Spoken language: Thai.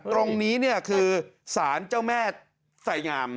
ตรงนี้คือศานเจ้าแม่ไซม์หงาม